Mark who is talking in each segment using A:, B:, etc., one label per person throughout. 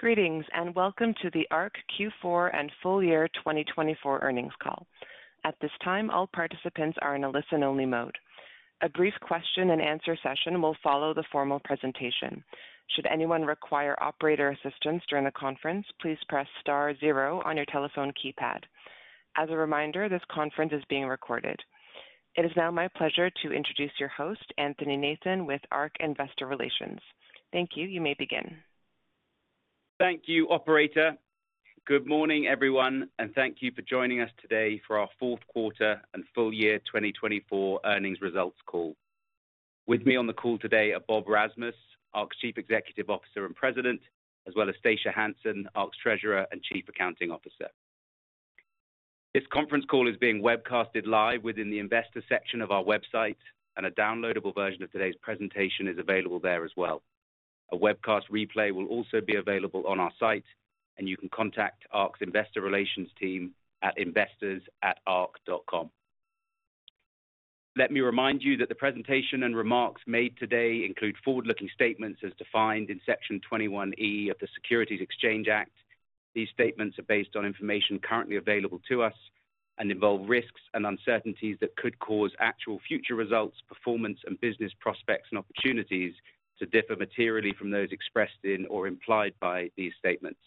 A: Greetings and Welcome to the Arq Q4 and Full Year 2024 Earnings Call. At this time, all participants are in a listen-only mode. A brief question-and-answer session will follow the formal presentation. Should anyone require operator assistance during the conference, please press star zero on your telephone keypad. As a reminder, this conference is being recorded. It is now my pleasure to introduce your host, Anthony Nathan, with Arq Investor Relations. Thank you. You may begin.
B: Thank you, Operator. Good morning, everyone, and thank you for joining us today for our Q4 and full year 2024 earnings results call. With me on the call today are Bob Rasmus, Arq's Chief Executive Officer and President, as well as Stacia Hansen, Arq's Treasurer and Chief Accounting Officer. This conference call is being webcast live within the investor section of our website, and a downloadable version of today's presentation is available there as well. A webcast replay will also be available on our site, and you can contact Arq's Investor Relations team at investors@arq.com. Let me remind you that the presentation and remarks made today include forward-looking statements as defined in Section 21E of the Securities Exchange Act. These statements are based on information currently available to us and involve risks and uncertainties that could cause actual future results, performance, and business prospects and opportunities to differ materially from those expressed in or implied by these statements.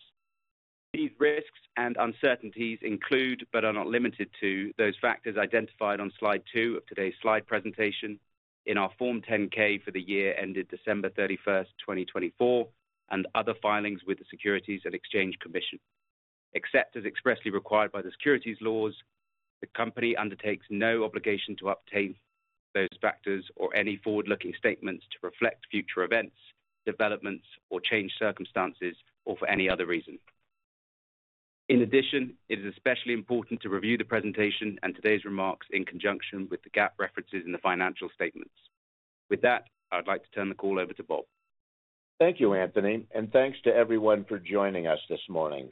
B: These risks and uncertainties include, but are not limited to, those factors identified on slide two of today's slide presentation in our Form 10-K for the year ended December 31, 2024, and other filings with the Securities and Exchange Commission. Except as expressly required by the securities laws, the company undertakes no obligation to update those factors or any forward-looking statements to reflect future events, developments, or changed circumstances, or for any other reason. In addition, it is especially important to review the presentation and today's remarks in conjunction with the GAAP references in the financial statements. With that, I would like to turn the call over to Bob.
C: Thank you, Anthony, and thanks to everyone for joining us this morning.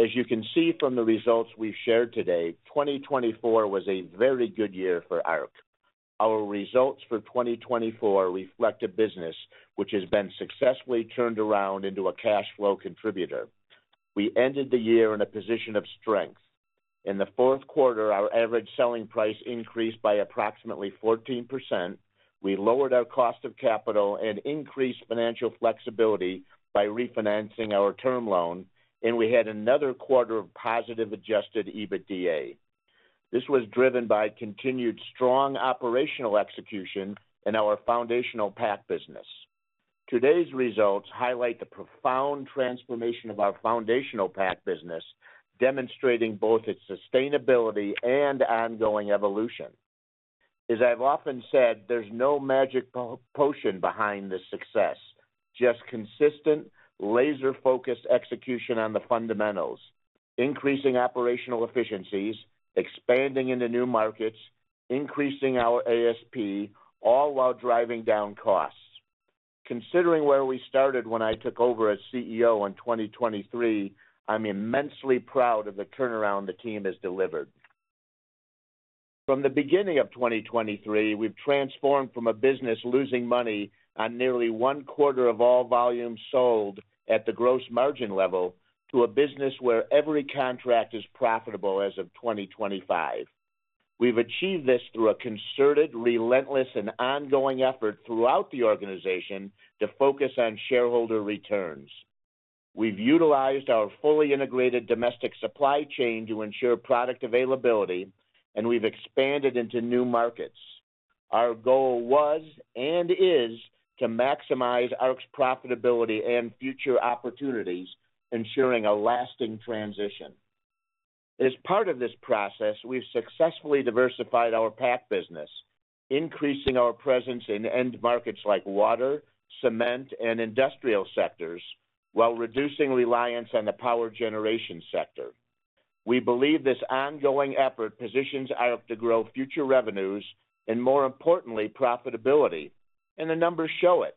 C: As you can see from the results we've shared today, 2024 was a very good year for Arq. Our results for 2024 reflect a business which has been successfully turned around into a cash flow contributor. We ended the year in a position of strength. In the Q4, our average selling price increased by approximately 14%. We lowered our cost of capital and increased financial flexibility by refinancing our term loan, and we had another quarter of positive Adjusted EBITDA. This was driven by continued strong operational execution in our foundational PAC business. Today's results highlight the profound transformation of our foundational PAC business, demonstrating both its sustainability and ongoing evolution. As I've often said, there's no magic potion behind this success, just consistent, laser-focused execution on the fundamentals, increasing operational efficiencies, expanding into new markets, increasing our ASP, all while driving down costs. Considering where we started when I took over as CEO in 2023, I'm immensely proud of the turnaround the team has delivered. From the beginning of 2023, we've transformed from a business losing money on nearly one quarter of all volumes sold at the gross margin level to a business where every contract is profitable as of 2025. We've achieved this through a concerted, relentless, and ongoing effort throughout the organization to focus on shareholder returns. We've utilized our fully integrated domestic supply chain to ensure product availability, and we've expanded into new markets. Our goal was and is to maximize Arq's profitability and future opportunities, ensuring a lasting transition. As part of this process, we've successfully diversified our PAC business, increasing our presence in end markets like water, cement, and industrial sectors while reducing reliance on the power generation sector. We believe this ongoing effort positions Arq to grow future revenues and, more importantly, profitability, and the numbers show it.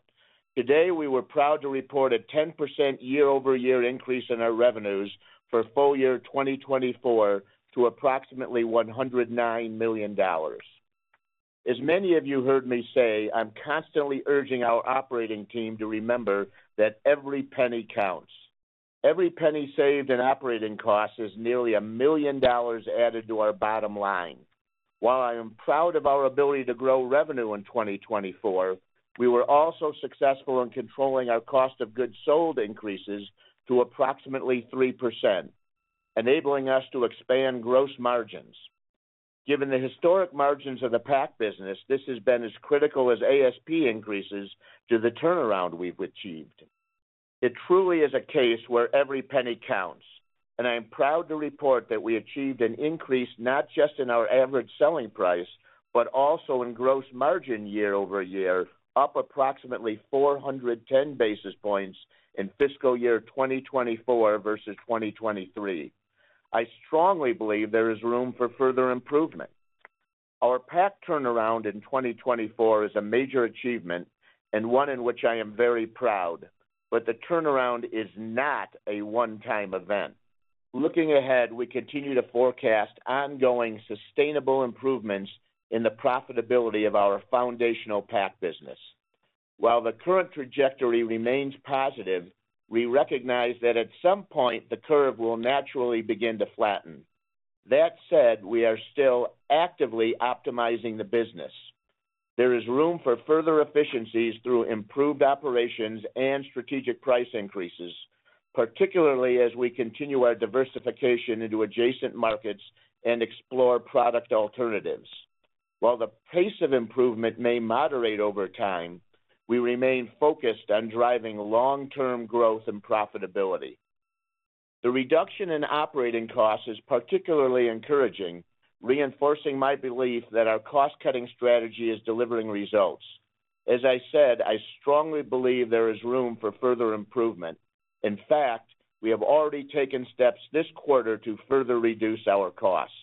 C: Today, we were proud to report a 10% year-over-year increase in our revenues for full year 2024 to approximately $109 million. As many of you heard me say, I'm constantly urging our operating team to remember that every penny counts. Every penny saved in operating costs is nearly a million dollars added to our bottom line. While I am proud of our ability to grow revenue in 2024, we were also successful in controlling our cost of goods sold increases to approximately 3%, enabling us to expand gross margins. Given the historic margins of the PAC business, this has been as critical as ASP increases due to the turnaround we've achieved. It truly is a case where every penny counts, and I am proud to report that we achieved an increase not just in our average selling price, but also in gross margin year-over-year, up approximately 410 basis points in fiscal year 2024 vs 2023. I strongly believe there is room for further improvement. Our PAC turnaround in 2024 is a major achievement and one in which I am very proud, but the turnaround is not a one-time event. Looking ahead, we continue to forecast ongoing sustainable improvements in the profitability of our foundational PAC business. While the current trajectory remains positive, we recognize that at some point the curve will naturally begin to flatten. That said, we are still actively optimizing the business. There is room for further efficiencies through improved operations and strategic price increases, particularly as we continue our diversification into adjacent markets and explore product alternatives. While the pace of improvement may moderate over time, we remain focused on driving long-term growth and profitability. The reduction in operating costs is particularly encouraging, reinforcing my belief that our cost-cutting strategy is delivering results. As I said, I strongly believe there is room for further improvement. In fact, we have already taken steps this quarter to further reduce our costs.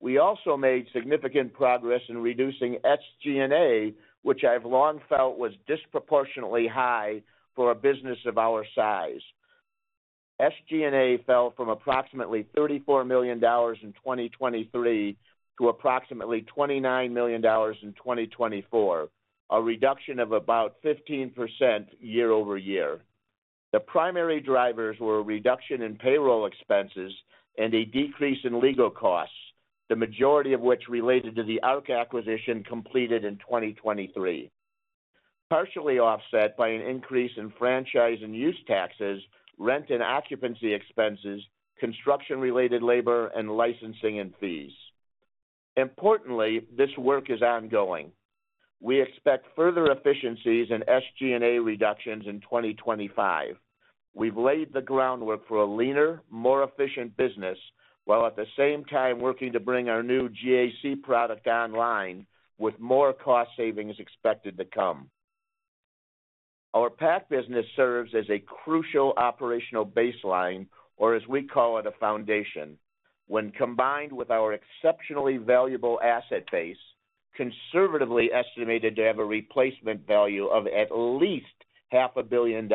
C: We also made significant progress in reducing SG&A, which I've long felt was disproportionately high for a business of our size. SG&A fell from approximately $34 million in 2023 to approximately $29 million in 2024, a reduction of about 15% year-over-year. The primary drivers were a reduction in payroll expenses and a decrease in legal costs, the majority of which related to the Arq acquisition completed in 2023, partially offset by an increase in franchise and use taxes, rent and occupancy expenses, construction-related labor, and licensing and fees. Importantly, this work is ongoing. We expect further efficiencies and SG&A reductions in 2025. We've laid the groundwork for a leaner, more efficient business while at the same time working to bring our new GAC product online with more cost savings expected to come. Our PAC business serves as a crucial operational baseline, or as we call it, a foundation. When combined with our exceptionally valuable asset base, conservatively estimated to have a replacement value of at least $500 million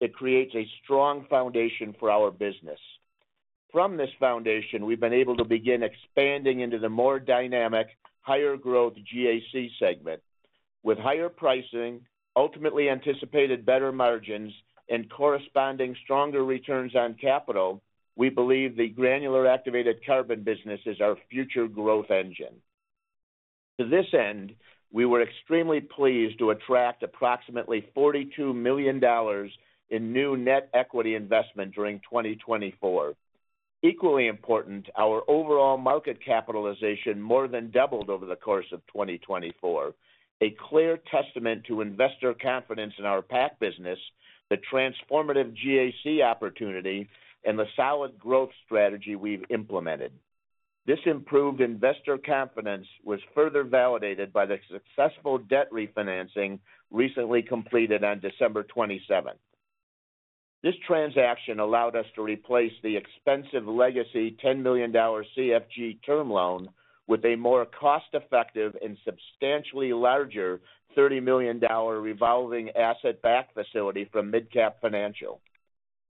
C: it creates a strong foundation for our business. From this foundation, we've been able to begin expanding into the more dynamic, higher-growth GAC segment. With higher pricing, ultimately anticipated better margins, and corresponding stronger returns on capital, we believe the granular activated carbon business is our future growth engine. To this end, we were extremely pleased to attract approximately $42 million in new net equity investment during 2024. Equally important, our overall market capitalization more than doubled over the course of 2024, a clear testament to investor confidence in our PAC business, the transformative GAC opportunity, and the solid growth strategy we've implemented. This improved investor confidence was further validated by the successful debt refinancing recently completed on December 27th, 2024. This transaction allowed us to replace the expensive legacy $10 million CFG term loan with a more cost-effective and substantially larger $30 million revolving asset-backed facility from MidCap Financial.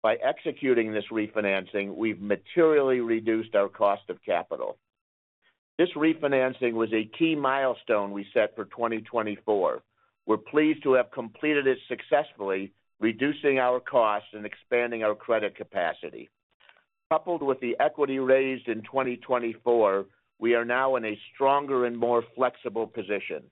C: By executing this refinancing, we've materially reduced our cost of capital. This refinancing was a key milestone we set for 2024. We're pleased to have completed it successfully, reducing our costs and expanding our credit capacity. Coupled with the equity raised in 2024, we are now in a stronger and more flexible position.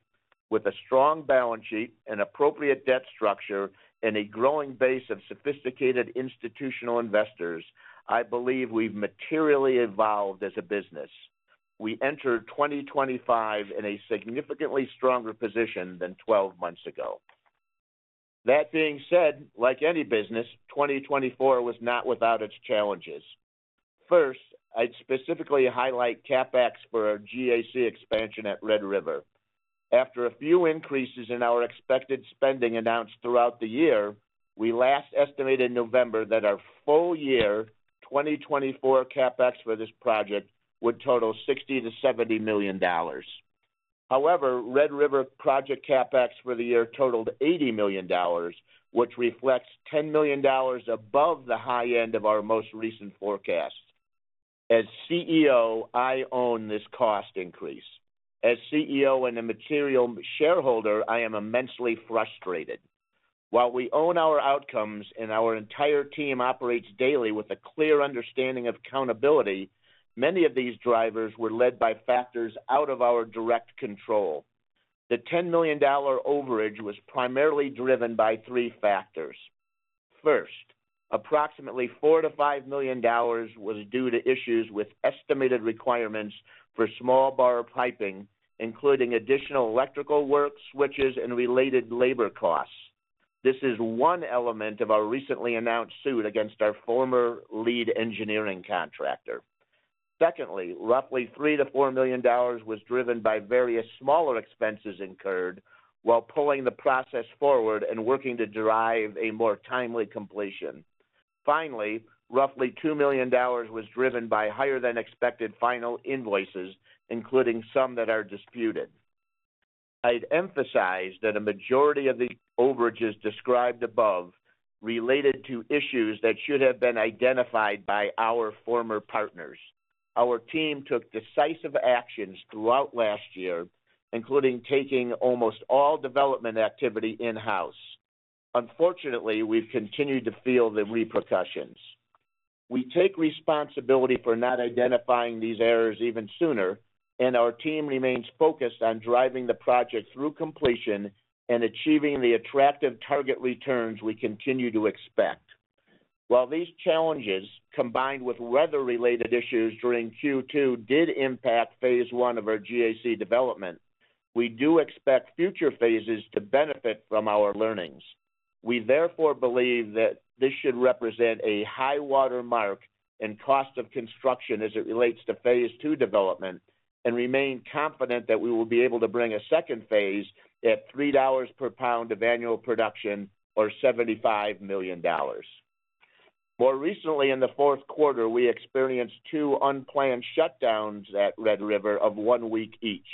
C: With a strong balance sheet, an appropriate debt structure, and a growing base of sophisticated institutional investors, I believe we've materially evolved as a business. We entered 2025 in a significantly stronger position than 12 months ago. That being said, like any business, 2024 was not without its challenges. First, I'd specifically highlight CapEx for our GAC expansion at Red River. After a few increases in our expected spending announced throughout the year, we last estimated in November that our full year 2024 CapEx for this project would total $60 million-$70 million. However, Red River project CapEx for the year totaled $80 million, which reflects $10 million above the high end of our most recent forecast. As CEO, I own this cost increase. As CEO and a material shareholder, I am immensely frustrated. While we own our outcomes and our entire team operates daily with a clear understanding of accountability, many of these drivers were led by factors out of our direct control. The $10 million overage was primarily driven by three factors. First, approximately $4 million-$5 million was due to issues with estimated requirements for small bore piping, including additional electrical work, switches, and related labor costs. This is one element of our recently announced suit against our former lead engineering contractor. Secondly, roughly $3 million-$4 million was driven by various smaller expenses incurred while pulling the process forward and working to drive a more timely completion. Finally, roughly $2 million was driven by higher-than-expected final invoices, including some that are disputed. I'd emphasize that a majority of the overages described above related to issues that should have been identified by our former partners. Our team took decisive actions throughout last year, including taking almost all development activity in-house. Unfortunately, we've continued to feel the repercussions. We take responsibility for not identifying these errors even sooner, and our team remains focused on driving the project through completion and achieving the attractive target returns we continue to expect. While these challenges, combined with weather-related issues during Q2, did impact Phase 1 of our GAC development, we do expect future phases to benefit from our learnings. We therefore believe that this should represent a high-water mark in cost of construction as it relates to Phase 2 development and remain confident that we will be able to bring a second phase at $3 per pound of annual production or $75 million. More recently, in the Q4, we experienced two unplanned shutdowns at Red River of one week each.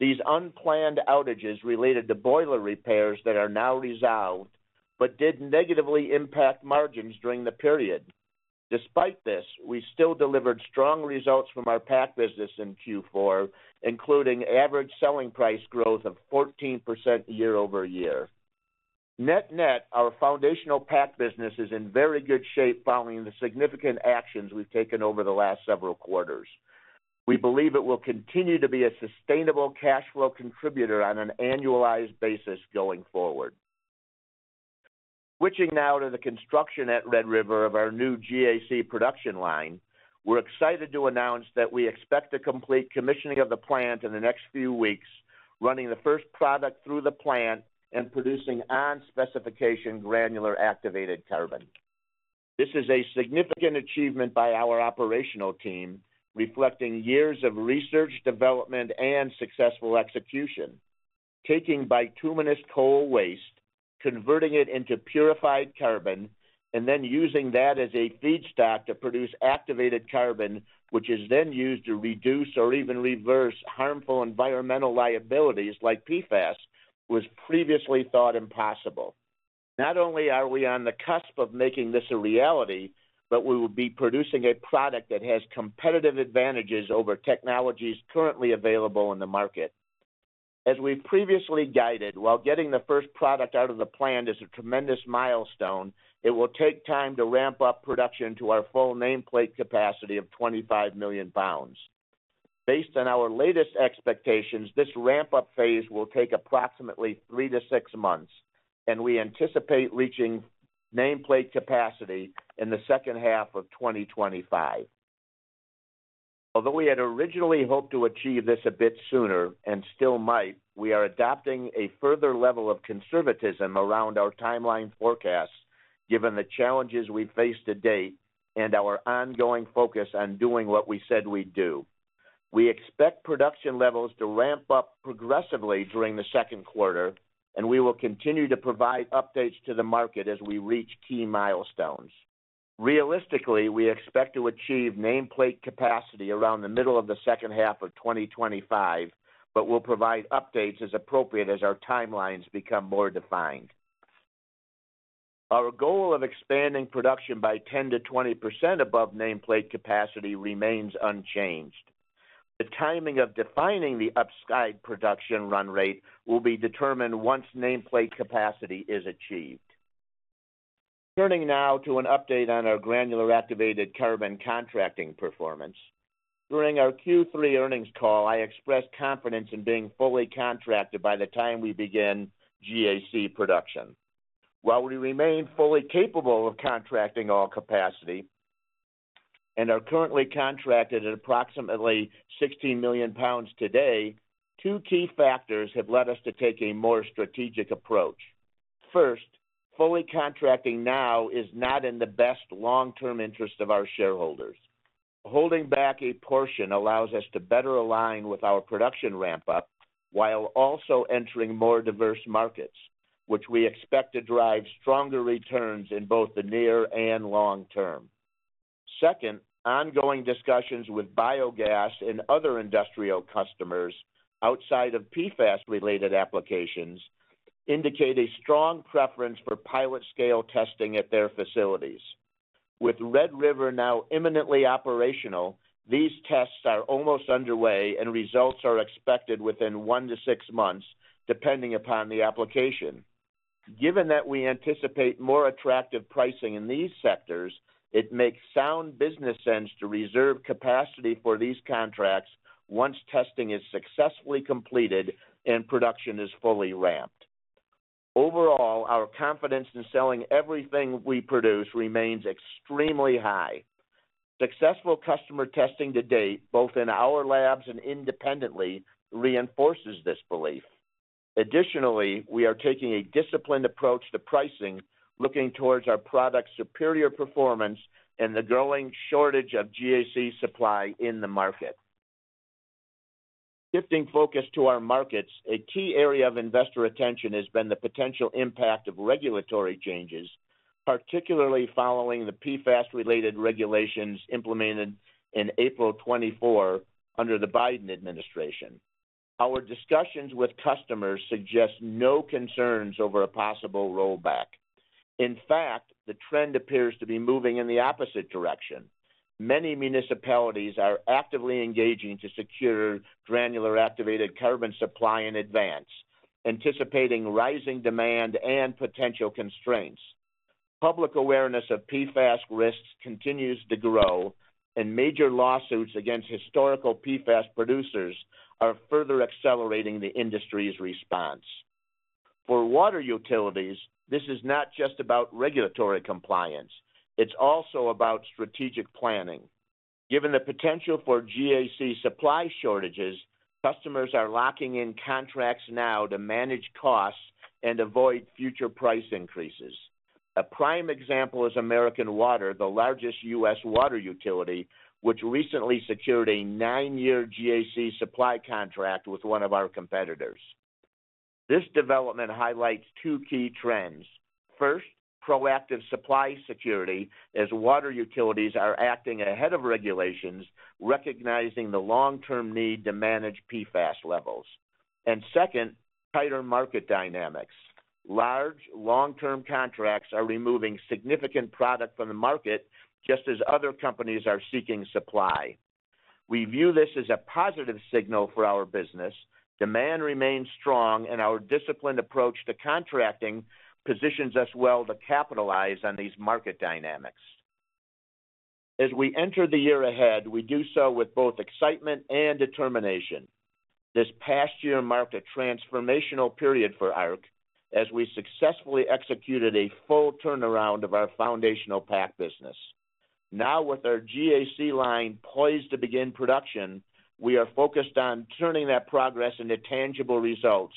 C: These unplanned outages related to boiler repairs that are now resolved but did negatively impact margins during the period. Despite this, we still delivered strong results from our PAC business in Q4, including average selling price growth of 14% year-over-year. Net net, our foundational PAC business is in very good shape following the significant actions we've taken over the last several quarters. We believe it will continue to be a sustainable cash flow contributor on an annualized basis going forward. Switching now to the construction at Red River of our new GAC production line, we're excited to announce that we expect to complete commissioning of the plant in the next few weeks, running the first product through the plant and producing on-specification granular activated carbon. This is a significant achievement by our operational team, reflecting years of research, development, and successful execution, taking bituminous coal waste, converting it into purified carbon, and then using that as a feedstock to produce activated carbon, which is then used to reduce or even reverse harmful environmental liabilities like PFAS was previously thought impossible. Not only are we on the cusp of making this a reality, but we will be producing a product that has competitive advantages over technologies currently available in the market. As we've previously guided, while getting the first product out of the plant is a tremendous milestone, it will take time to ramp up production to our full nameplate capacity of 25 million pounds. Based on our latest expectations, this ramp-up phase will take approximately three to six months, and we anticipate reaching nameplate capacity in the second half of 2025. Although we had originally hoped to achieve this a bit sooner and still might, we are adopting a further level of conservatism around our timeline forecasts given the challenges we've faced to date and our ongoing focus on doing what we said we'd do. We expect production levels to ramp up progressively during the Q2, and we will continue to provide updates to the market as we reach key milestones. Realistically, we expect to achieve nameplate capacity around the middle of the second half of 2025, but we'll provide updates as appropriate as our timelines become more defined. Our goal of expanding production by 10%-20% above nameplate capacity remains unchanged. The timing of defining the upside production run rate will be determined once nameplate capacity is achieved. Turning now to an update on our granular activated carbon contracting performance. During our Q3 earnings call, I expressed confidence in being fully contracted by the time we begin GAC production. While we remain fully capable of contracting all capacity and are currently contracted at approximately 16 million pounds today, two key factors have led us to take a more strategic approach. First, fully contracting now is not in the best long-term interest of our shareholders. Holding back a portion allows us to better align with our production ramp-up while also entering more diverse markets, which we expect to drive stronger returns in both the near and long term. Second, ongoing discussions with biogas and other industrial customers outside of PFAS-related applications indicate a strong preference for pilot-scale testing at their facilities. With Red River now imminently operational, these tests are almost underway, and results are expected within one to six months, depending upon the application. Given that we anticipate more attractive pricing in these sectors, it makes sound business sense to reserve capacity for these contracts once testing is successfully completed and production is fully ramped. Overall, our confidence in selling everything we produce remains extremely high. Successful customer testing to date, both in our labs and independently, reinforces this belief. Additionally, we are taking a disciplined approach to pricing, looking towards our product's superior performance and the growing shortage of GAC supply in the market. Shifting focus to our markets, a key area of investor attention has been the potential impact of regulatory changes, particularly following the PFAS-related regulations implemented in April 2024 under the Biden administration. Our discussions with customers suggest no concerns over a possible rollback. In fact, the trend appears to be moving in the opposite direction. Many municipalities are actively engaging to secure granular activated carbon supply in advance, anticipating rising demand and potential constraints. Public awareness of PFAS risks continues to grow, and major lawsuits against historical PFAS producers are further accelerating the industry's response. For water utilities, this is not just about regulatory compliance; it is also about strategic planning. Given the potential for GAC supply shortages, customers are locking in contracts now to manage costs and avoid future price increases. A prime example is American Water, the largest U.S. water utility, which recently secured a nine-year GAC supply contract with one of our competitors. This development highlights two key trends. First, proactive supply security as water utilities are acting ahead of regulations, recognizing the long-term need to manage PFAS levels. Second, tighter market dynamics. Large, long-term contracts are removing significant product from the market, just as other companies are seeking supply. We view this as a positive signal for our business. Demand remains strong, and our disciplined approach to contracting positions us well to capitalize on these market dynamics. As we enter the year ahead, we do so with both excitement and determination. This past year marked a transformational period for Arq as we successfully executed a full turnaround of our foundational PAC business. Now, with our GAC line poised to begin production, we are focused on turning that progress into tangible results,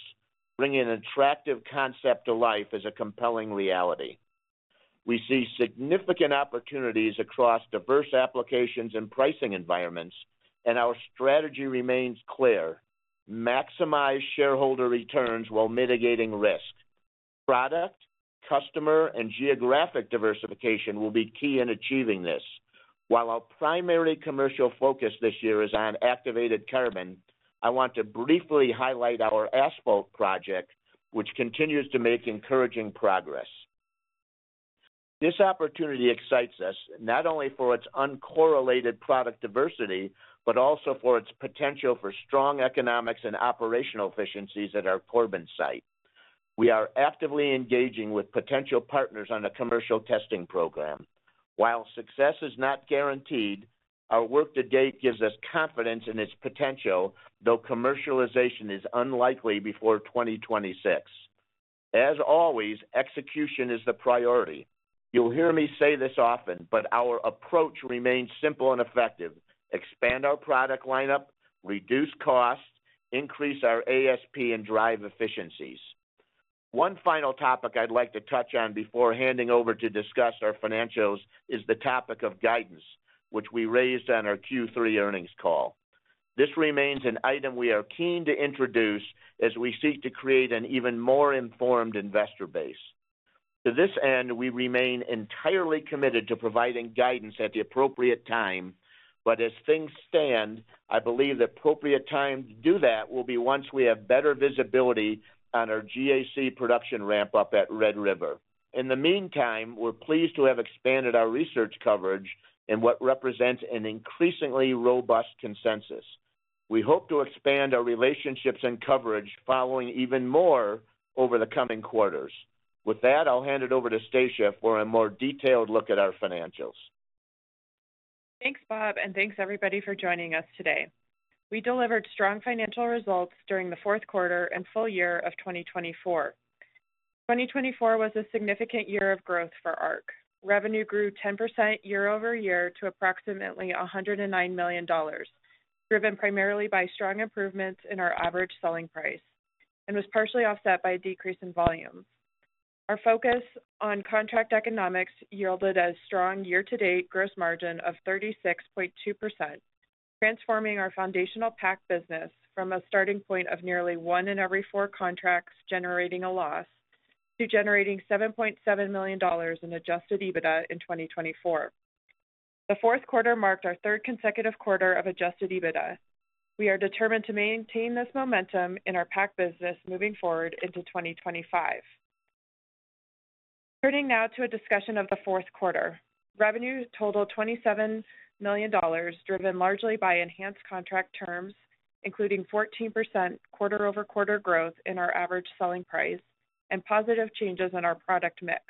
C: bringing an attractive concept to life as a compelling reality. We see significant opportunities across diverse applications and pricing environments, and our strategy remains clear, maximize shareholder returns while mitigating risk. Product, customer, and geographic diversification will be key in achieving this. While our primary commercial focus this year is on activated carbon, I want to briefly highlight our asphalt project, which continues to make encouraging progress. This opportunity excites us not only for its uncorrelated product diversity but also for its potential for strong economics and operational efficiencies at our Corbin site. We are actively engaging with potential partners on a commercial testing program. While success is not guaranteed, our work to date gives us confidence in its potential, though commercialization is unlikely before 2026. As always, execution is the priority. You'll hear me say this often, but our approach remains simple and effective, expand our product lineup, reduce cost, increase our ASP, and drive efficiencies. One final topic I'd like to touch on before handing over to discuss our financials is the topic of guidance, which we raised on our Q3 earnings call. This remains an item we are keen to introduce as we seek to create an even more informed investor base. To this end, we remain entirely committed to providing guidance at the appropriate time, but as things stand, I believe the appropriate time to do that will be once we have better visibility on our GAC production ramp-up at Red River. In the meantime, we're pleased to have expanded our research coverage in what represents an increasingly robust consensus. We hope to expand our relationships and coverage following even more over the coming quarters. With that, I'll hand it over to Stacia for a more detailed look at our financials.
D: Thanks, Bob, and thanks everybody for joining us today. We delivered strong financial results during the Q4 and full year of 2024. 2024 was a significant year of growth for Arq. Revenue grew 10% year-over-year to approximately $109 million, driven primarily by strong improvements in our average selling price and was partially offset by a decrease in volumes. Our focus on contract economics yielded a strong year-to-date gross margin of 36.2%, transforming our foundational PAC business from a starting point of nearly one in every four contracts generating a loss to generating $7.7 million in Adjusted EBITDA in 2024. The Q4 marked our third consecutive quarter of Adjusted EBITDA. We are determined to maintain this momentum in our PAC business moving forward into 2025. Turning now to a discussion of the Q4, revenue totaled $27 million, driven largely by enhanced contract terms, including 14% quarter-over-quarter growth in our average selling price and positive changes in our product mix.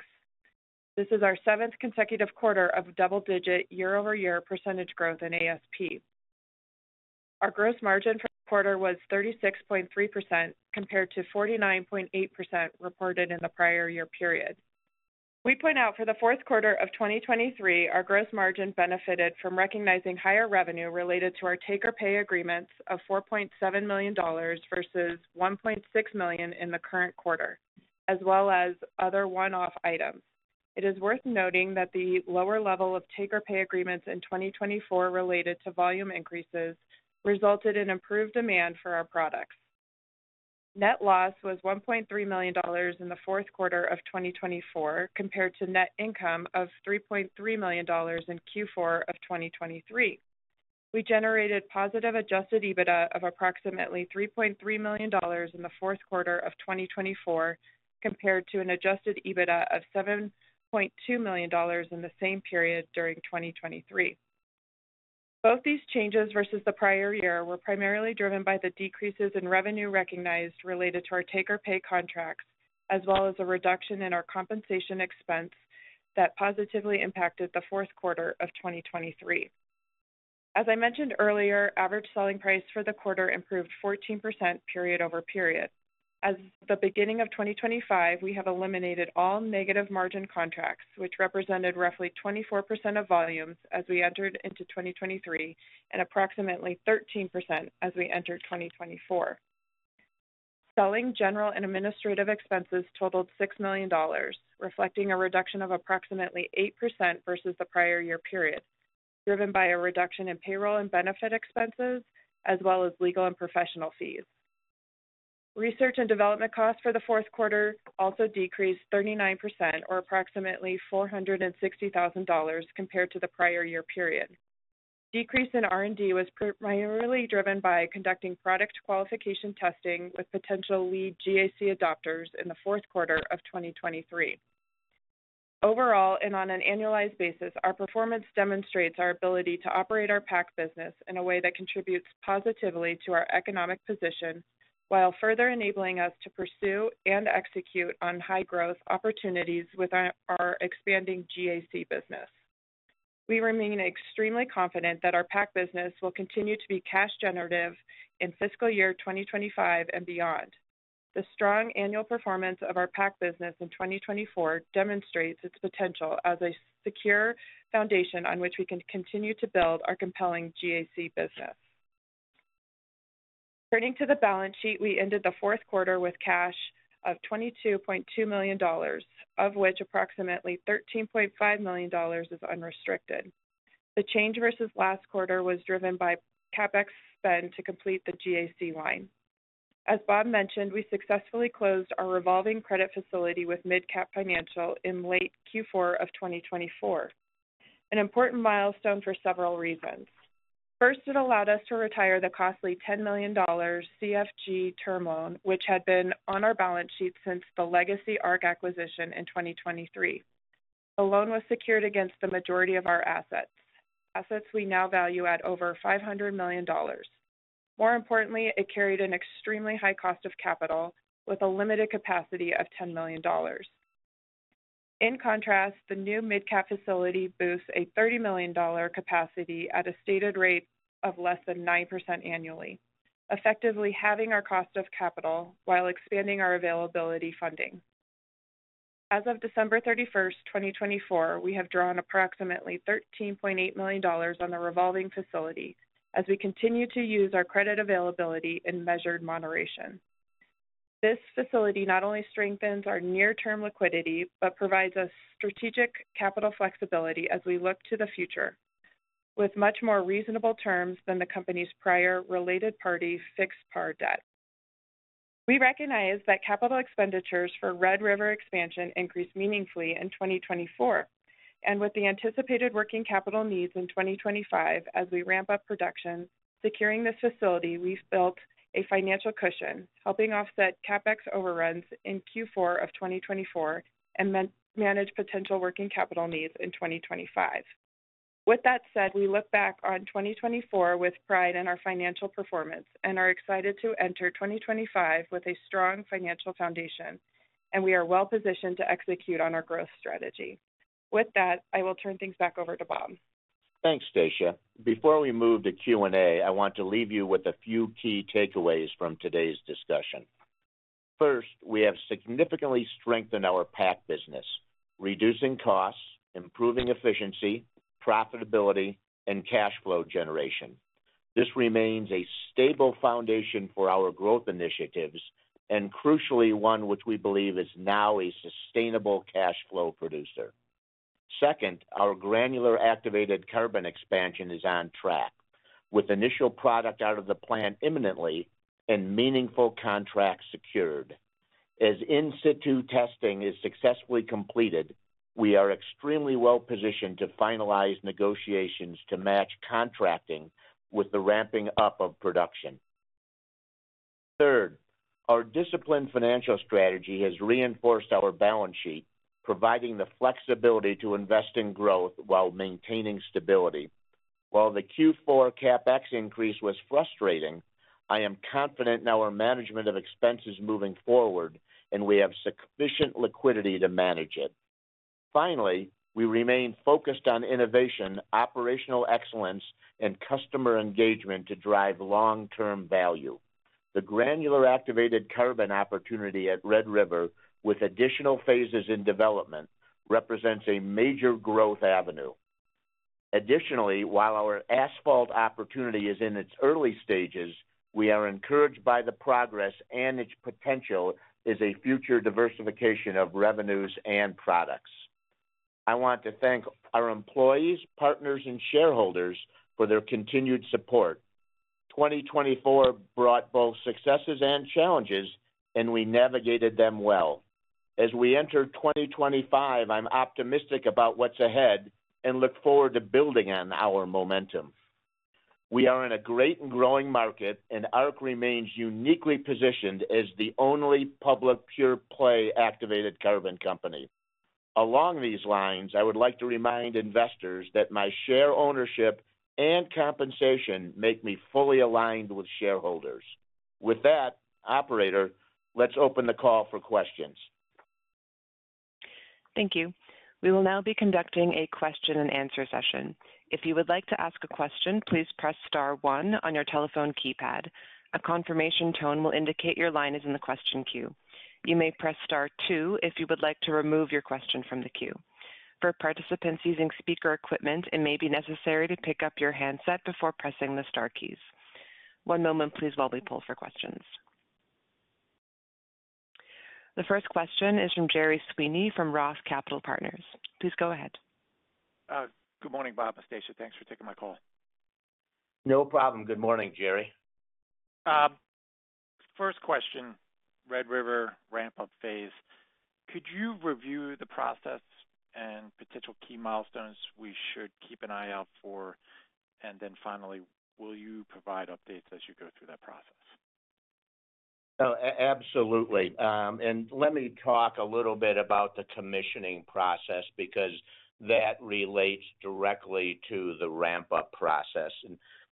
D: This is our seventh consecutive quarter of double-digit year-over-year % growth in ASP. Our gross margin for the quarter was 36.3% compared to 49.8% reported in the prior year period. We point out for the Q4 of 2023, our gross margin benefited from recognizing higher revenue related to our take-or-pay agreements of $4.7 million versus $1.6 million in the current quarter, as well as other one-off items. It is worth noting that the lower level of take-or-pay agreements in 2024 related to volume increases resulted in improved demand for our products. Net loss was $1.3 million in the Q4 of 2024 compared to net income of $3.3 million in Q4 of 2023. We generated positive Adjusted EBITDA of approximately $3.3 million in the Q4 of 2024 compared to an Adjusted EBITDA of $7.2 million in the same period during 2023. Both these changes versus the prior year were primarily driven by the decreases in revenue recognized related to our take-or-pay contracts, as well as a reduction in our compensation expense that positively impacted the Q4 of 2023. As I mentioned earlier, average selling price for the quarter improved 14% period over period. As the beginning of 2025, we have eliminated all negative margin contracts, which represented roughly 24% of volumes as we entered into 2023 and approximately 13% as we entered 2024. Selling, general and administrative expenses totaled $6 million, reflecting a reduction of approximately 8% versus the prior year period, driven by a reduction in payroll and benefit expenses, as well as legal and professional fees. Research and development costs for the Q4 also decreased 39%, or approximately $460,000, compared to the prior year period. Decrease in R&D was primarily driven by conducting product qualification testing with potential lead GAC adopters in the Q4 of 2023. Overall, and on an annualized basis, our performance demonstrates our ability to operate our PAC business in a way that contributes positively to our economic position while further enabling us to pursue and execute on high-growth opportunities with our expanding GAC business. We remain extremely confident that our PAC business will continue to be cash-generative in fiscal year 2025 and beyond. The strong annual performance of our PAC business in 2024 demonstrates its potential as a secure foundation on which we can continue to build our compelling GAC business. Turning to the balance sheet, we ended the Q4 with cash of $22.2 million, of which approximately $13.5 million is unrestricted. The change versus last quarter was driven by CapEx spend to complete the GAC line. As Bob mentioned, we successfully closed our revolving credit facility with MidCap Financial in late Q4 of 2024, an important milestone for several reasons. First, it allowed us to retire the costly $10 million CFG term loan, which had been on our balance sheet since the legacy Arq acquisition in 2023. The loan was secured against the majority of our assets, assets we now value at over $500 million. More importantly, it carried an extremely high cost of capital with a limited capacity of $10 million. In contrast, the new MidCap facility boosts a $30 million capacity at a stated rate of less than 9% annually, effectively halving our cost of capital while expanding our availability funding. As of December 31, 2024, we have drawn approximately $13.8 million on the revolving facility as we continue to use our credit availability in measured moderation. This facility not only strengthens our near-term liquidity but provides us strategic capital flexibility as we look to the future with much more reasonable terms than the company's prior related party fixed par debt. We recognize that capital expenditures for Red River expansion increased meaningfully in 2024, and with the anticipated working capital needs in 2025 as we ramp up production, securing this facility, we've built a financial cushion, helping offset CapEx overruns in Q4 of 2024 and manage potential working capital needs in 2025. With that said, we look back on 2024 with pride in our financial performance and are excited to enter 2025 with a strong financial foundation, and we are well-positioned to execute on our growth strategy. With that, I will turn things back over to Bob.
C: Thanks, Stacia. Before we move to Q&A, I want to leave you with a few key takeaways from today's discussion. First, we have significantly strengthened our PAC business, reducing costs, improving efficiency, profitability, and cash flow generation. This remains a stable foundation for our growth initiatives and, crucially, one which we believe is now a sustainable cash flow producer. Second, our granular activated carbon expansion is on track, with initial product out of the plant imminently and meaningful contracts secured. As in-situ testing is successfully completed, we are extremely well-positioned to finalize negotiations to match contracting with the ramping up of production. Third, our disciplined financial strategy has reinforced our balance sheet, providing the flexibility to invest in growth while maintaining stability. While the Q4 CapEx increase was frustrating, I am confident in our management of expenses moving forward, and we have sufficient liquidity to manage it. Finally, we remain focused on innovation, operational excellence, and customer engagement to drive long-term value. The granular activated carbon opportunity at Red River, with additional phases in development, represents a major growth avenue. Additionally, while our asphalt opportunity is in its early stages, we are encouraged by the progress and its potential as a future diversification of revenues and products. I want to thank our employees, partners, and shareholders for their continued support. 2024 brought both successes and challenges, and we navigated them well. As we enter 2025, I'm optimistic about what's ahead and look forward to building on our momentum. We are in a great and growing market, and Arq remains uniquely positioned as the only public pure-play activated carbon company. Along these lines, I would like to remind investors that my share ownership and compensation make me fully aligned with shareholders. With that, Operator, let's open the call for questions.
A: Thank you. We will now be conducting a question-and-answer session. If you would like to ask a question, please press star one on your telephone keypad. A confirmation tone will indicate your line is in the question queue. You may press star two if you would like to remove your question from the queue. For participants using speaker equipment, it may be necessary to pick up your handset before pressing the star keys. One moment, please, while we pull for questions. The first question is from Gerry Sweeney from ROTH Capital Partners. Please go ahead.
E: Good morning, Bob and Stacia. Thanks for taking my call.
C: No problem. Good morning, Gerry.
E: First question, Red River ramp-up phase. Could you review the process and potential key milestones we should keep an eye out for? And then finally, will you provide updates as you go through that process?
C: Absolutely. Let me talk a little bit about the commissioning process because that relates directly to the ramp-up process.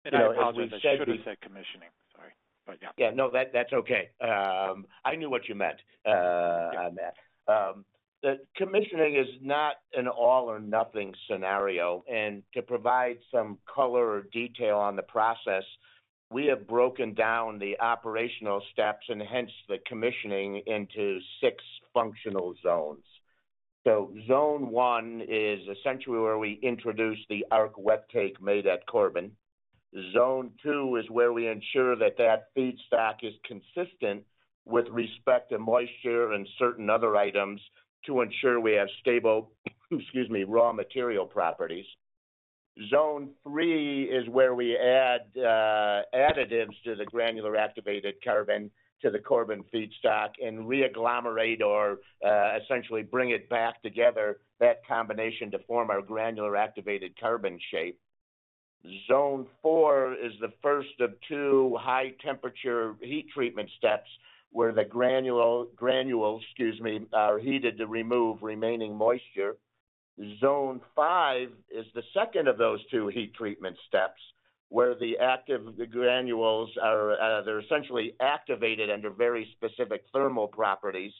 C: I always said commissioning.
E: Sorry. But yeah.
C: Yeah. No, that's okay. I knew what you meant. The commissioning is not an all-or-nothing scenario. To provide some color or detail on the process, we have broken down the operational steps and hence the commissioning into six functional zones. Zone one is essentially where we introduce the Arq wet cake made at Corbin. Zone two is where we ensure that that feedstock is consistent with respect to moisture and certain other items to ensure we have stable, excuse me, raw material properties. Zone three is where we add additives to the granular activated carbon to the Corbin feedstock and re-agglomerate or essentially bring it back together, that combination to form our granular activated carbon shape. Zone four is the first of two high-temperature heat treatment steps where the granules, excuse me, are heated to remove remaining moisture. Zone five is the second of those two heat treatment steps where the active granules are essentially activated under very specific thermal properties.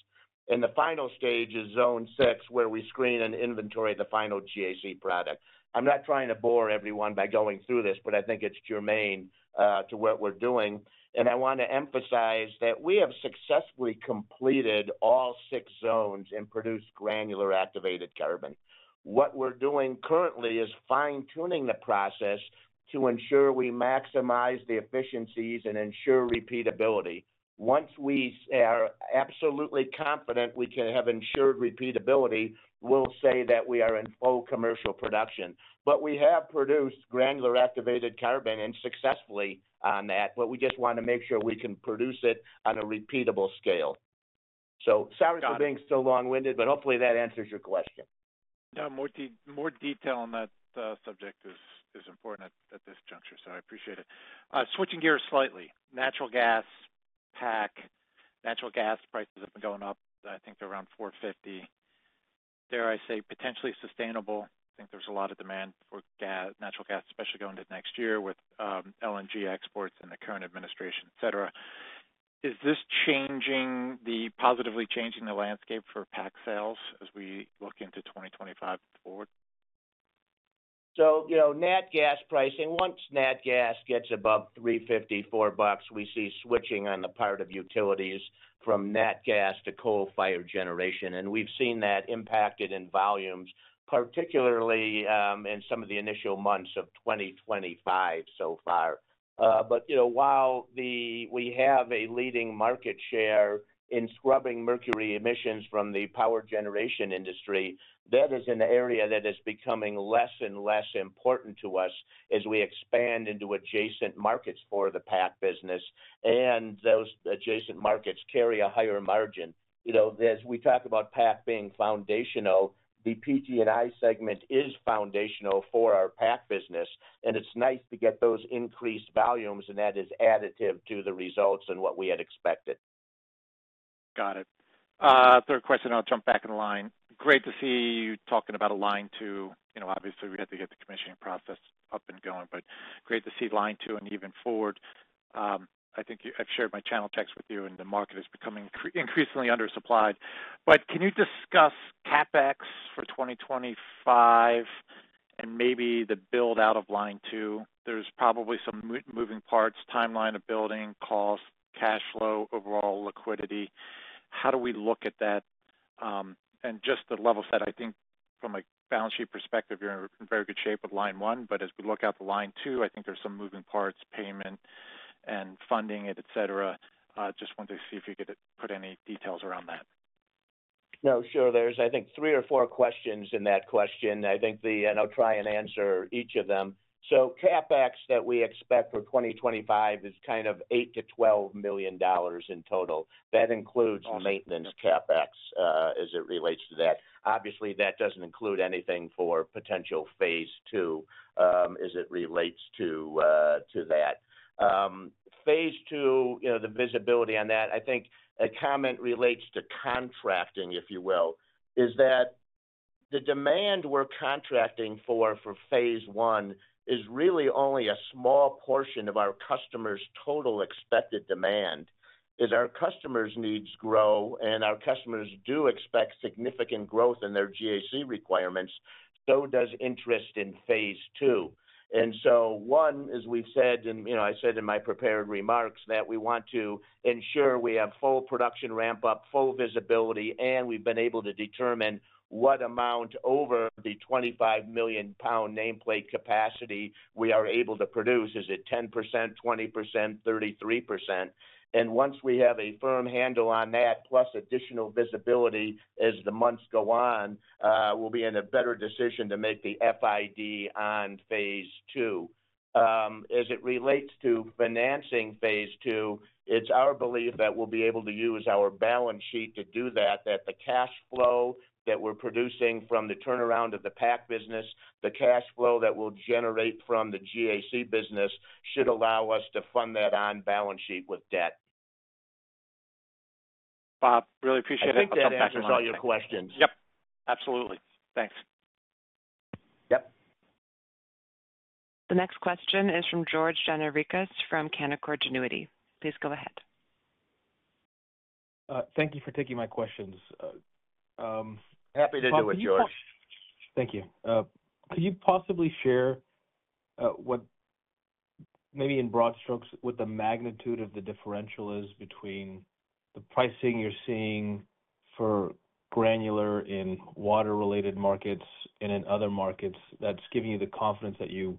C: The final stage is zone six, where we screen and inventory the final GAC product. I'm not trying to bore everyone by going through this, but I think it's germane to what we're doing. I want to emphasize that we have successfully completed all six zones and produced granular activated carbon. What we're doing currently is fine-tuning the process to ensure we maximize the efficiencies and ensure repeatability. Once we are absolutely confident we can have ensured repeatability, we'll say that we are in full commercial production. We have produced granular activated carbon and successfully on that, but we just want to make sure we can produce it on a repeatable scale. Sorry for being so long-winded, but hopefully that answers your question.
E: Yeah. More detail on that subject is important at this juncture, so I appreciate it. Switching gears slightly, natural gas, PAC, natural gas prices have been going up, I think, around $450. Dare I say potentially sustainable? I think there's a lot of demand for natural gas, especially going into next year with LNG exports and the current administration, et cetera. Is this changing, positively changing the landscape for PAC sales as we look into 2025 forward?
C: Nat gas pricing, once nat gas gets above $354, we see switching on the part of utilities from nat gas to coal-fired generation. We have seen that impacted in volumes, particularly in some of the initial months of 2025 so far. While we have a leading market share in scrubbing mercury emissions from the power generation industry, that is an area that is becoming less and less important to us as we expand into adjacent markets for the PAC business. Those adjacent markets carry a higher margin. As we talk about PAC being foundational, the PG&I segment is foundational for our PAC business. It's nice to get those increased volumes, and that is additive to the results and what we had expected.
E: Got it. Third question, I'll jump back in line. Great to see you talking about a line two. Obviously, we had to get the commissioning process up and going, but great to see line two and even forward. I think I've shared my channel checks with you, and the market is becoming increasingly undersupplied. Can you discuss CapEx for 2025 and maybe the build-out of line two? There's probably some moving parts, timeline of building, cost, cash flow, overall liquidity. How do we look at that? I think from a balance sheet perspective, you're in very good shape with line one. As we look at line two, I think there's some moving parts, payment and funding, et cetera. Just wanted to see if you could put any details around that.
C: No, sure. There's, I think, three or four questions in that question. I'll try and answer each of them. CapEx that we expect for 2025 is kind of $8 million-12 million in total. That includes maintenance CapEx as it relates to that. Obviously, that doesn't include anything for potential Phase 2 as it relates to that. Phase 2, the visibility on that, I think a comment relates to contracting, if you will, is that the demand we're contracting for for Phase 1 is really only a small portion of our customers' total expected demand. As our customers' needs grow and our customers do expect significant growth in their GAC requirements, so does interest in Phase 2. As we've said, and I said in my prepared remarks that we want to ensure we have full production ramp-up, full visibility, and we've been able to determine what amount over the 25 million-pound nameplate capacity we are able to produce. Is it 10%, 20%, 33%? Once we have a firm handle on that, plus additional visibility as the months go on, we'll be in a better decision to make the FID on Phase 2. As it relates to financing Phase 2, it's our belief that we'll be able to use our balance sheet to do that, that the cash flow that we're producing from the turnaround of the PAC business, the cash flow that we'll generate from the GAC business should allow us to fund that on balance sheet with debt.
E: Bob, really appreciate it.
C: I think that answers all your questions.
E: Yep. Absolutely. Thanks.
C: Yep.
A: The next question is from George Gianarikas from Canaccord Genuity. Please go ahead.
F: Thank you for taking my questions.
C: Happy to do it, George.
F: Thank you. Could you possibly share what, maybe in broad strokes, what the magnitude of the differential is between the pricing you're seeing for granular in water-related markets and in other markets that's giving you the confidence that you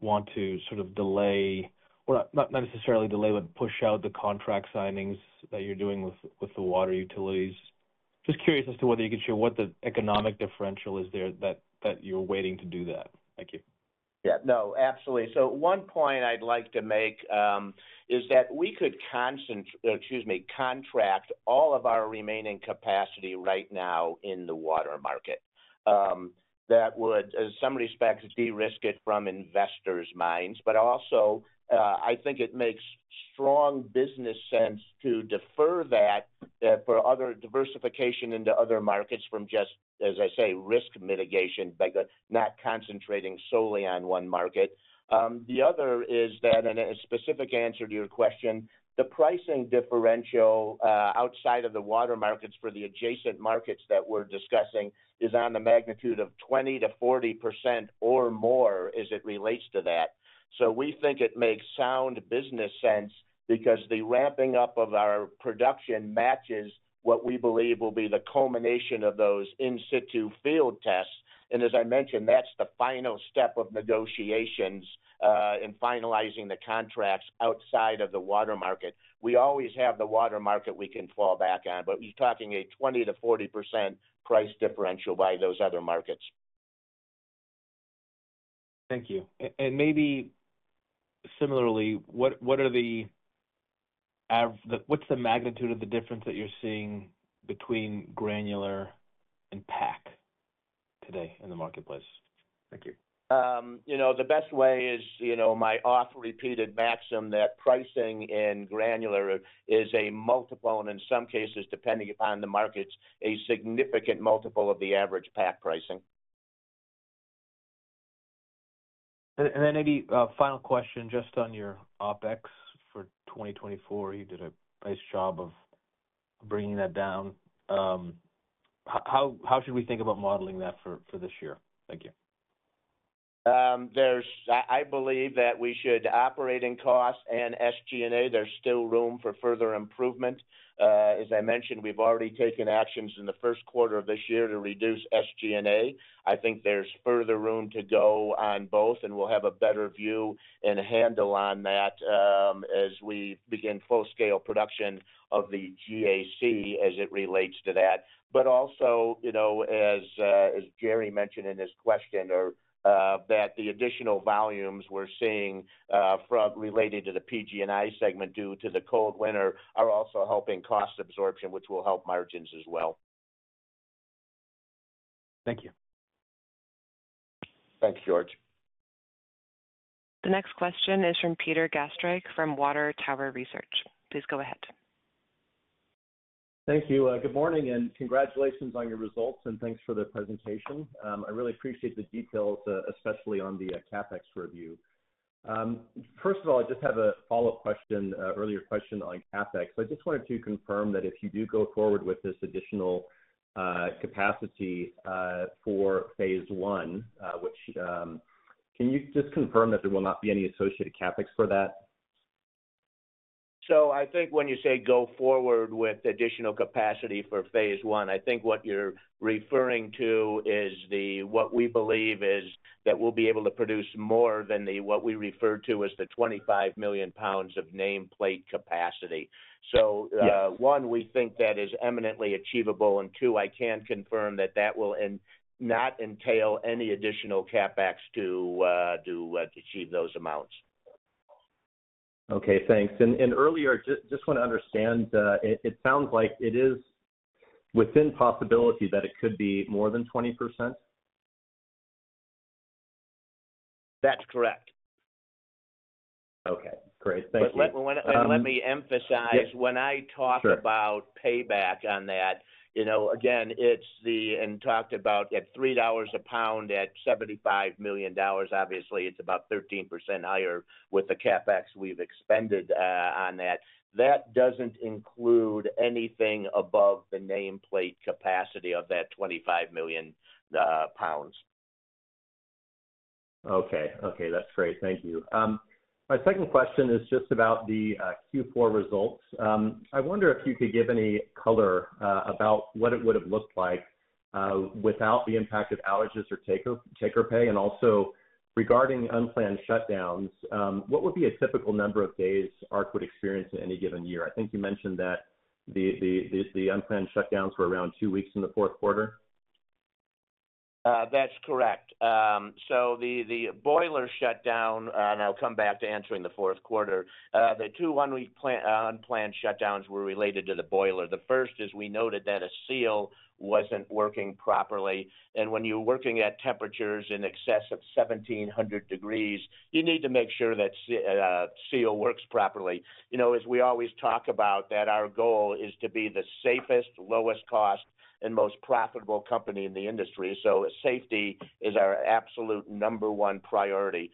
F: want to sort of delay, or not necessarily delay, but push out the contract signings that you're doing with the water utilities? Just curious as to whether you could share what the economic differential is there that you're waiting to do that. Thank you.
C: Yeah. No, absolutely. One point I'd like to make is that we could, excuse me, contract all of our remaining capacity right now in the water market. That would, in some respects, de-risk it from investors' minds. I think it makes strong business sense to defer that for other diversification into other markets from just, as I say, risk mitigation, but not concentrating solely on one market. The other is that, and a specific answer to your question, the pricing differential outside of the water markets for the adjacent markets that we're discussing is on the magnitude of 20%-40% or more as it relates to that. We think it makes sound business sense because the ramping up of our production matches what we believe will be the culmination of those in-situ field tests. As I mentioned, that's the final step of negotiations in finalizing the contracts outside of the water market. We always have the water market we can fall back on, but we're talking a 20%-40% price differential by those other markets.
F: Thank you. Maybe similarly, what's the magnitude of the difference that you're seeing between granular and PAC today in the marketplace? Thank you.
C: The best way is my oft-repeated maxim that pricing in granular is a multiple, and in some cases, depending upon the markets, a significant multiple of the average PAC pricing.
F: Maybe a final question just on your OpEx for 2024. You did a nice job of bringing that down. How should we think about modeling that for this year? Thank you.
C: I believe that we should operate in cost and SG&A. There's still room for further improvement. As I mentioned, we've already taken actions in the first quarter of this year to reduce SG&A. I think there's further room to go on both, and we'll have a better view and handle on that as we begin full-scale production of the GAC as it relates to that. But also, as Jerry mentioned in his question, that the additional volumes we're seeing related to the PG&I segment due to the cold winter are also helping cost absorption, which will help margins as well.
F: Thank you.
C: Thanks, George.
A: The next question is from Peter Gastreich from Water Tower Research. Please go ahead.
G: Thank you. Good morning, and congratulations on your results, and thanks for the presentation. I really appreciate the details, especially on the CapEx review. First of all, I just have a follow-up question, earlier question on CapEx. I just wanted to confirm that if you do go forward with this additional capacity for Phase 1, can you just confirm that there will not be any associated CapEx for that?
C: I think when you say go forward with additional capacity for Phase 1, I think what you're referring to is what we believe is that we'll be able to produce more than what we refer to as the 25 million pounds of nameplate capacity. One, we think that is eminently achievable, and two, I can confirm that that will not entail any additional CapEx to achieve those amounts.
G: Okay. Thanks. Earlier, just want to understand, it sounds like it is within possibility that it could be more than 20%.
C: That's correct.
G: Okay. Great. Thank you.
C: Let me emphasize, when I talk about payback on that, again, it's the, and talked about at $3 a pound at $75 million, obviously, it's about 13% higher with the CapEx we've expended on that. That doesn't include anything above the nameplate capacity of that 25 million pounds.
G: Okay. Okay. That's great. Thank you. My second question is just about the Q4 results. I wonder if you could give any color about what it would have looked like without the impact of outages or take-or-pay. Also, regarding unplanned shutdowns, what would be a typical number of days Arq would experience in any given year? I think you mentioned that the unplanned shutdowns were around two weeks in the Q4.
C: That's correct. The boiler shutdown, and I'll come back to answering the Q4, the two one-week unplanned shutdowns were related to the boiler. The first is we noted that a seal wasn't working properly. When you're working at temperatures in excess of 1,700 degrees, you need to make sure that seal works properly. As we always talk about, our goal is to be the safest, lowest-cost, and most profitable company in the industry. Safety is our absolute number one priority.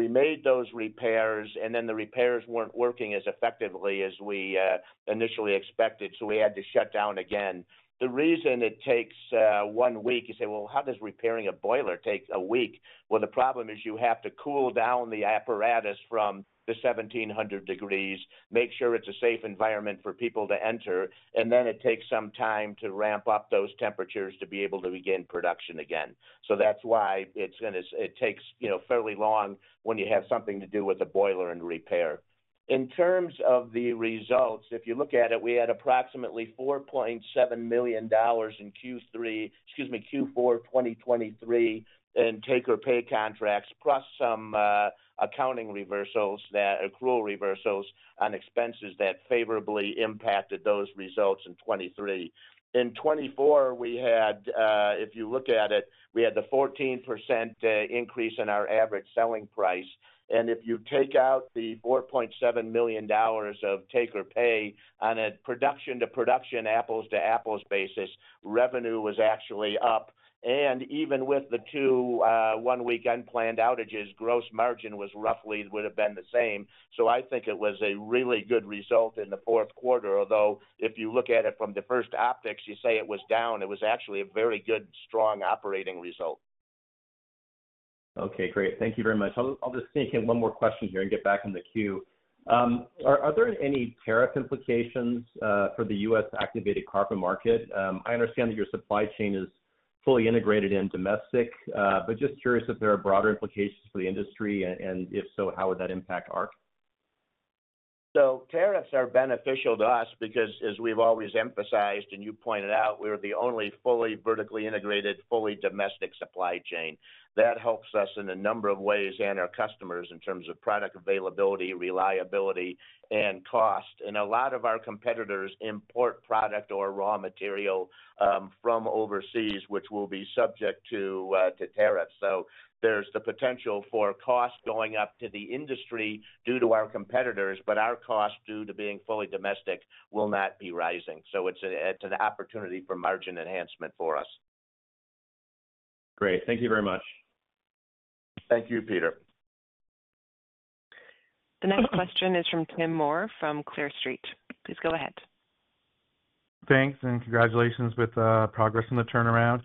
C: We made those repairs, and then the repairs were not working as effectively as we initially expected, so we had to shut down again. The reason it takes one week, you say, "How does repairing a boiler take a week?" The problem is you have to cool down the apparatus from the 1,700 degrees, make sure it is a safe environment for people to enter, and then it takes some time to ramp up those temperatures to be able to begin production again. That is why it takes fairly long when you have something to do with a boiler and repair. In terms of the results, if you look at it, we had approximately $4.7 million in Q4 2023 in take-or-pay contracts, plus some accounting reversals that are accrual reversals on expenses that favorably impacted those results in 2023. In 2024, if you look at it, we had the 14% increase in our average selling price. If you take out the $4.7 million of take-or-pay on a production-to-production, apples-to-apples basis, revenue was actually up. Even with the two one-week unplanned outages, gross margin was roughly would have been the same. I think it was a really good result in the Q4, although if you look at it from the first optics, you say it was down, it was actually a very good, strong operating result.
G: Okay. Great. Thank you very much. I'll just sneak in one more question here and get back in the queue. Are there any tariff implications for the U.S. activated carbon market? I understand that your supply chain is fully integrated and domestic, but just curious if there are broader implications for the industry, and if so, how would that impact Arq?
C: Tariffs are beneficial to us because, as we've always emphasized, and you pointed out, we're the only fully vertically integrated, fully domestic supply chain. That helps us in a number of ways and our customers in terms of product availability, reliability, and cost. A lot of our competitors import product or raw material from overseas, which will be subject to tariffs. There's the potential for cost going up to the industry due to our competitors, but our cost due to being fully domestic will not be rising. It's an opportunity for margin enhancement for us.
G: Great. Thank you very much.
C: Thank you, Peter.
A: The next question is from Tim Moore from Clear Street. Please go ahead.
H: Thanks, and congratulations with progress in the turnaround.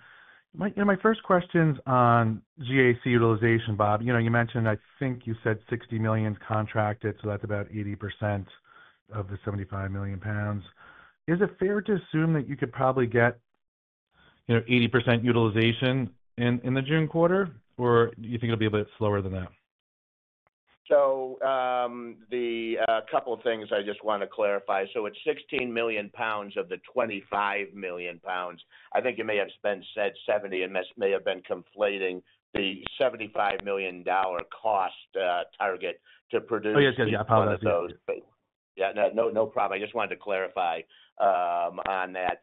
H: My first question's on GAC utilization, Bob. You mentioned, I think you said $60 million contracted, so that's about 80% of the 75 million pounds. Is it fair to assume that you could probably get 80% utilization in the June quarter, or do you think it'll be a bit slower than that?
C: A couple of things I just want to clarify. It's 16 million pounds of the 25 million pounds. I think you may have said $70 million, and this may have been conflating the $75 million cost target to produce those products
H: Oh, yes, yes. Yeah, I apologize.
C: Yeah. No problem. I just wanted to clarify on that.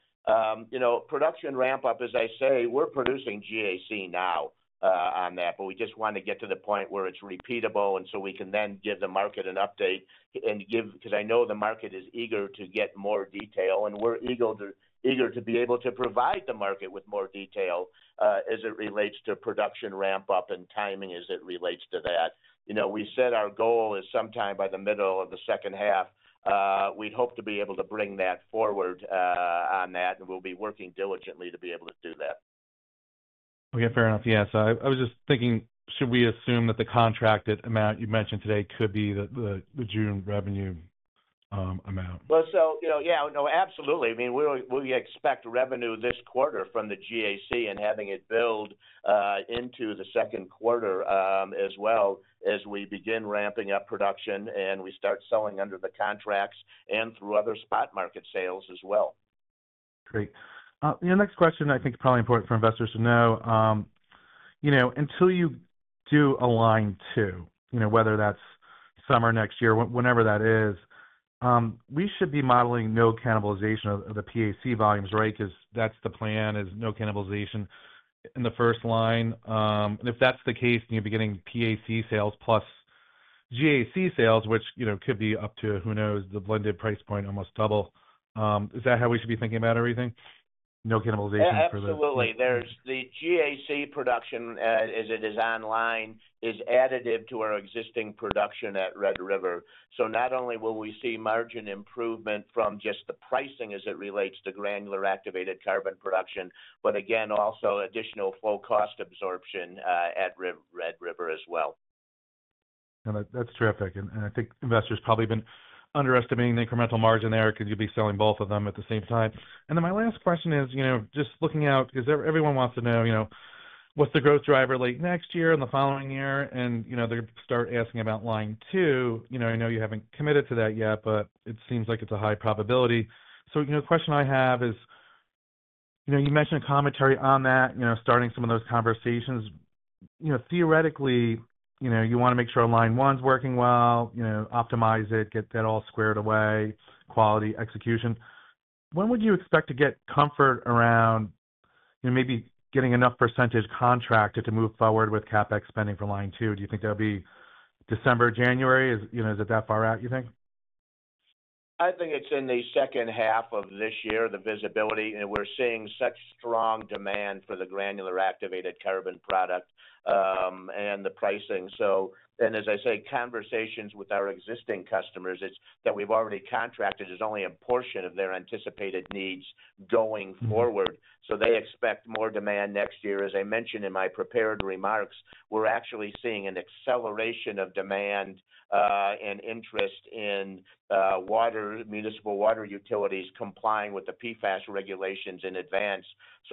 C: Production ramp-up, as I say, we're producing GAC now on that, but we just want to get to the point where it's repeatable and so we can then give the market an update because I know the market is eager to get more detail, and we're eager to be able to provide the market with more detail as it relates to production ramp-up and timing as it relates to that. We said our goal is sometime by the middle of the second half. We'd hope to be able to bring that forward on that, and we'll be working diligently to be able to do that.
H: Okay. Fair enough. Yeah. I was just thinking, should we assume that the contracted amount you mentioned today could be the June revenue amount?
C: Well, yeah, no, absolutely. I mean, we expect revenue this quarter from the GAC and having it build into the Q2 as well as we begin ramping up production and we start selling under the contracts and through other spot market sales as well.
H: Great. The next question, I think, is probably important for investors to know. Until you do a line two, whether that's summer next year, whenever that is, we should be modeling no cannibalization of the PAC volumes, right? Because that's the plan, is no cannibalization in the first line. And if that's the case, you'd be getting PAC sales plus GAC sales, which could be up to, who knows, the blended price point, almost double. Is that how we should be thinking about everything? No cannibalization for the.
C: Absolutely. The GAC production as it is online is additive to our existing production at Red River. Not only will we see margin improvement from just the pricing as it relates to granular activated carbon production, but again, also additional full cost absorption at Red River as well.
H: That's terrific. I think investors probably have been underestimating the incremental margin there because you'll be selling both of them at the same time. My last question is, just looking out, because everyone wants to know what's the growth driver late next year and the following year, and they're starting asking about line two. I know you haven't committed to that yet, but it seems like it's a high probability. The question I have is, you mentioned a commentary on that, starting some of those conversations. Theoretically, you want to make sure line one's working well, optimize it, get that all squared away, quality execution. When would you expect to get comfort around maybe getting enough percentage contracted to move forward with CapEx spending for line two? Do you think that would be December, January? Is it that far out, you think?
C: I think it's in the second half of this year, the visibility. We're seeing such strong demand for the granular activated carbon product and the pricing. As I say, conversations with our existing customers, that we've already contracted is only a portion of their anticipated needs going forward. They expect more demand next year. As I mentioned in my prepared remarks, we're actually seeing an acceleration of demand and interest in municipal water utilities complying with the PFAS regulations in advance.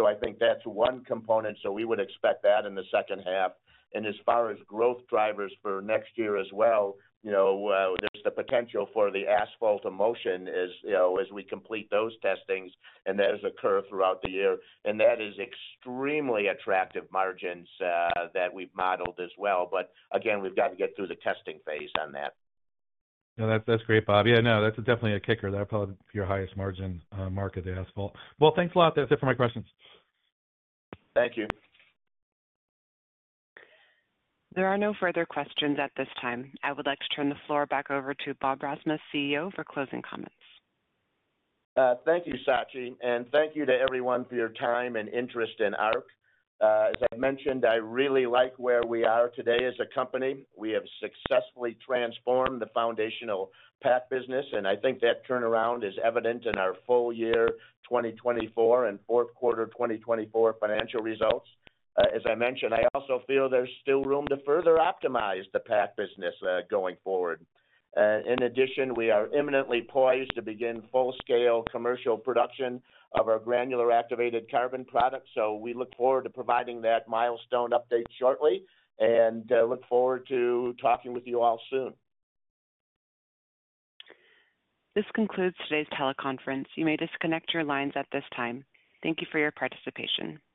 C: I think that's one component. We would expect that in the second half. As far as growth drivers for next year as well, there's the potential for the asphalt emulsion as we complete those testings, and that has occurred throughout the year. That is extremely attractive margins that we've modeled as well. Again, we've got to get through the testing phase on that.
H: No, that's great, Bob. Yeah, no, that's definitely a kicker. That's probably your highest margin market, the asphalt. Thanks a lot. That's it for my questions.
C: Thank you.
A: There are no further questions at this time. I would like to turn the floor back over to Bob Rasmus, CEO, for closing comments.
C: Thank you, Sachi. Thank you to everyone for your time and interest in Arq. As I've mentioned, I really like where we are today as a company. We have successfully transformed the foundational PAC business, and I think that turnaround is evident in our full year 2024 and Q4 2024 financial results. As I mentioned, I also feel there is still room to further optimize the PAC business going forward. In addition, we are imminently poised to begin full-scale commercial production of our granular activated carbon product. We look forward to providing that milestone update shortly and look forward to talking with you all soon.
A: This concludes today's teleconference. You may disconnect your lines at this time. Thank you for your participation.